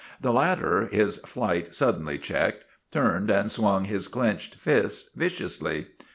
The latter, his flight suddenly checked, turned and swung his clenched fist viciously.